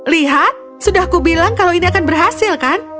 lihat sudah aku bilang kalau ini akan berhasil kan